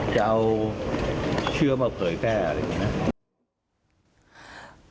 จะเอาเชื้อมาเผยแป้อะไรอย่างนี้นะ